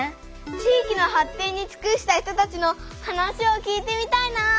地域の発展につくした人たちの話を聞いてみたいな！